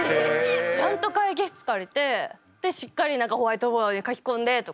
ちゃんと会議室借りてしっかりホワイトボードに書き込んでとか。